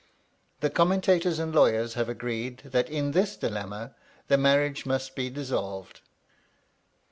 The commentators and lawyers have agreed that in this dilemma the marriage must be dissolved.